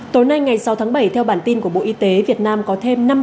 tối nay ngày sáu tháng bảy theo bản tin của bộ y tế việt nam có thêm năm trăm linh đồng